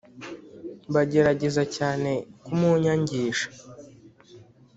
bagerageza cyane kumunyangisha